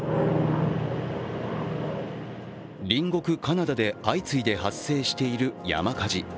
隣国カナダで、相次いで発生している山火事。